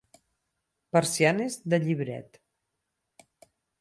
Persianes de llibret.